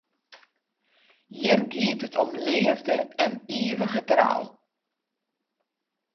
Hjir giet it om leafde en ivige trou.